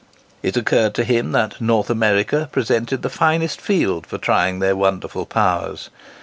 It occurred to him that North America presented the finest field for trying their wonderful powers.